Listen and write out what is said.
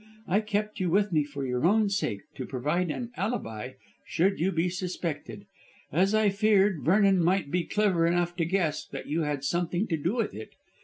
I kept you with me for your own sake, to provide an alibi should you be suspected, as I feared Vernon might be clever enough to guess that you had something to do with it.